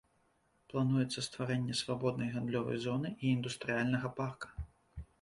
Плануецца стварэнне свабоднай гандлёвай зоны і індустрыяльнага парка.